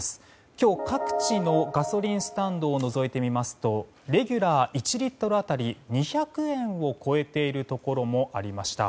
今日、各地のガソリンスタンドをのぞいてみますとレギュラー１リットル当たり２００円を超えているところもありました。